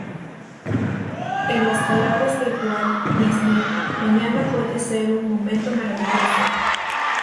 En las palabras de Walt Disney: "mañana puede ser un momento maravilloso.